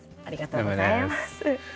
ありがとうございます。